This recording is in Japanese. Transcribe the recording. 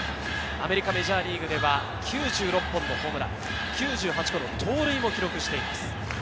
アメリカ・メジャーリーグでは９６本のホームラン、９８個の盗塁も記録しています。